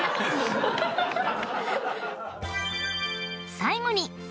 ［最後に］